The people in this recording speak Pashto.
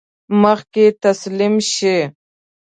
مخکې تسلیم شي.